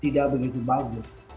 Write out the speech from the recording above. tidak begitu bagus